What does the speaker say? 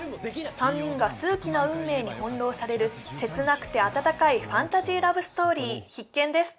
３人が数奇な運命に翻弄される切なくて温かいファンタジーラブストーリー必見です